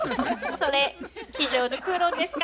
それ机上の空論ですか？